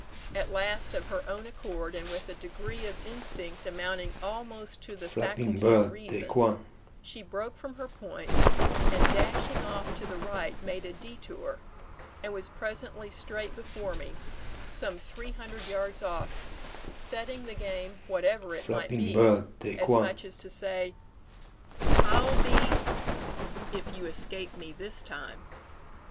At last, of her own accord, and with a degree of instinct amounting almost to the faculty of reason, she broke from her point, and dashing off to the right made a détour, and was presently straight before me, some three hundred yards off, setting the game whatever it might be, as much as to say, 'I'll be if you escape me this time.'